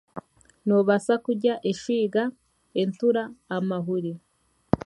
Noobaasa kurya eswiga entura amahuri